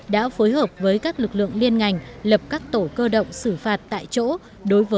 đã phối hợp với các lực lượng liên ngành lập các tổ cơ động xử phạt tại chỗ